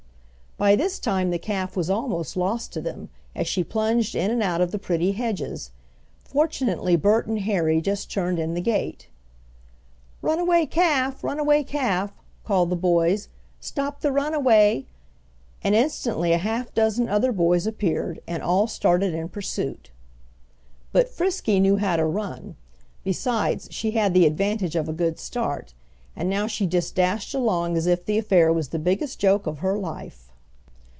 By this time the calf was almost lost to them, as she plunged in and out of the pretty hedges. Fortunately Bert and Harry just turned in the gate. "Runaway calf! Runaway calf!" called the boys. "Stop the runaway!" and instantly a half dozen other boys appeared, and all started in pursuit. But Frisky knew how to run, besides she had the advantage of a good start, and now she just dashed along as if the affair was the biggest joke of her life.